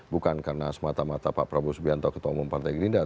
bukan karena semata mata pak prabowo subianto ketua umum partai gerindra